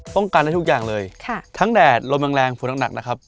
ต้องการได้ทุกอย่างเลยค่ะทั้งแดดลมแรงแรงฝนหนักนะครับ